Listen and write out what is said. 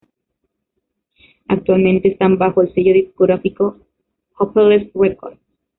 Actualmente están bajo el sello discográfico Hopeless Records.